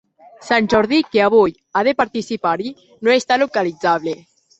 Sant Jordi que avui ha de participar-hi no està localitzable.